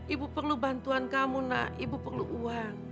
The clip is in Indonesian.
ibu perlu bantuan kamu nak ibu perlu uang